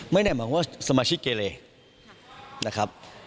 ไม่ได้หมายว่าสมาชิกเกเลนะครับ